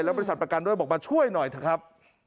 บริษัทประกันด้วยบอกมาช่วยหน่อยเถอะครับ